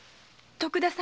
徳田様。